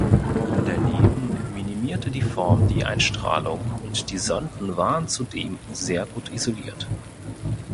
Daneben minimierte die Form die Einstrahlung und die Sonden waren zudem sehr gut isoliert.